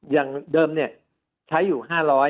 อย่างเดิมใช้อยู่๕๐๐